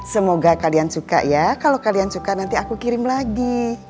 semoga kalian suka ya kalau kalian suka nanti aku kirim lagi